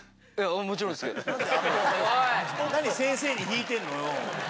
何先生に引いてんのよ！